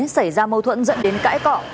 xảy ra mâu thuẫn dẫn đến cãi cọ